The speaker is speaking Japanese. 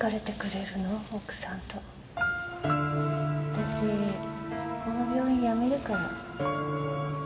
私この病院辞めるから。